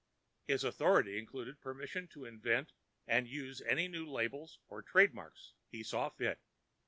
His authority included permission to invent and use any new labels or trade marks he saw fit.